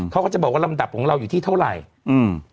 เขาก็จะบอกว่าลำดับของเราอยู่ที่เท่าไหร่อืม